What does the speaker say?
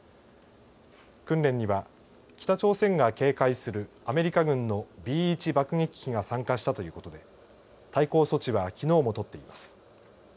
訓練には北朝鮮が警戒するアメリカ軍のＢ１爆撃機が参加したということで対抗措置はきのうも取っています。